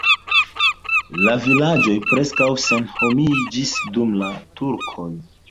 La vilaĝoj preskaŭ senhomiĝis dum la turkoj.